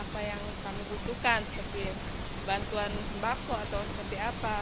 dan membutuhkan seperti bantuan sembako atau seperti apa